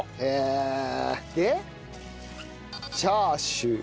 チャーシュー。